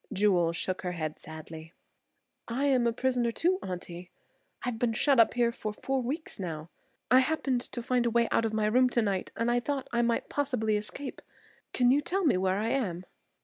Jewel shook her head sadly. "I'm a prisoner, too, Auntie. I've been shut up here for four weeks now. I happened to find a way out of my room tonight, and I thought I might possibly escape. Can you tell me where I am?"